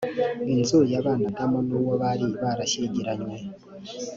inzu yabanagamo n uwo bari barashyingiranywe